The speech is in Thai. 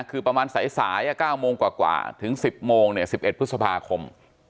คือประมาณสายสายอะเก้ามงกว่ากว่าถึงสิบโมงเนี้ยสิบเอ็ดพฤษภาคม